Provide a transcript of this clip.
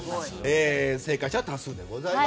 正解者多数でございます。